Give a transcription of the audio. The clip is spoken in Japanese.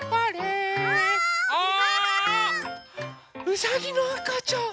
うさぎのあかちゃん！